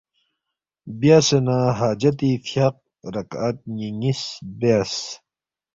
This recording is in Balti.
بیاسے نہ حاجتی فیاق رکعت نِ٘یس نِ٘یس بیاس،